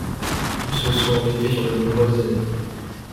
Ils se sont endettés sur de nombreuses années.